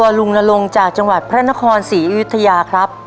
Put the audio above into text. พ่อครัวลุงนรงจากจังหวัดพระนครศรีอุทยาครับ